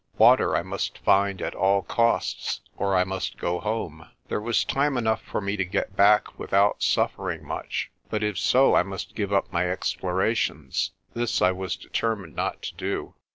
Water I must find at all costs, or I must go home. There was time enough for me to get back without suffering much, but if so I must give up my explorations. This I was de termined not to do.